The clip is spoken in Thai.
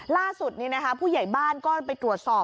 ล่าสุดผู้ใหญ่บ้านก็ไปตรวจสอบ